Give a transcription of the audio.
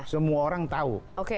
semua orang tahu